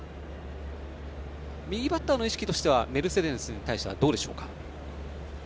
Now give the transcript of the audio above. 右バッターの意識としてはメルセデスに対してはどうですか。